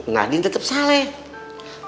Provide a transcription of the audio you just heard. nadine tetep salah ya